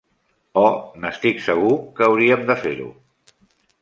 Oh, n'estic segur que hauríem de fer-ho.